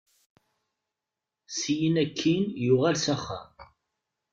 Syin akkin, yuɣal s axxam.